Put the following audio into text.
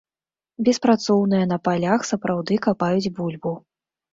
Беспрацоўныя на палях сапраўды капаюць бульбу.